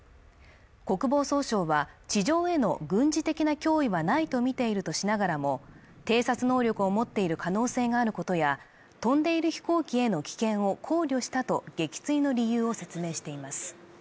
国防総省は地上への軍事的な脅威はないと見ているとしながらも偵察能力を持っている可能性があることや飛んでいる飛行機への危険を考慮したと撃墜の理由を説明しています